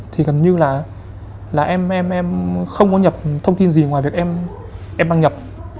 thì gần như là em em không có nhập thông tin gì ngoài việc em đăng nhập